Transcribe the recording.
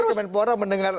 menteri pura mendengar